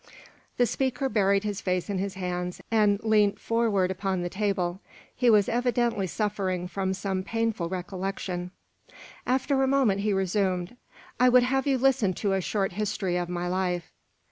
The speaker buried his face in his hands, and leant forward upon the table. He was evidently suffering from some painful recollection. After a moment he resumed "I would have you listen to a short history of my life."